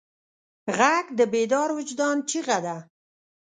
غږ د بیدار وجدان چیغه ده